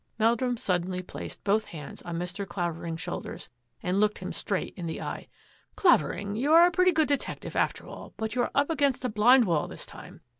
Meldrum suddenly placed both hands on Mr. Clavering's shoulders and looked him straight in the eye. " Clavering, you are a pretty good detective after all, but you are up against a blind wall this time.